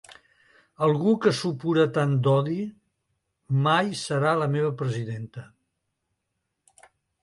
Algú que supura tant odi mai serà la meva presidenta.